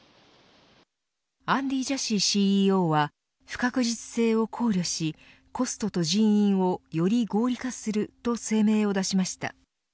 アンディ・ジャシーＣＥＯは不確実性を考慮しコストと人員をより合理化すると声明を出しました。